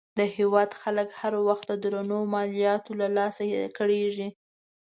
د هېواد خلک هر وخت د درنو مالیاتو له لاسه کړېږي.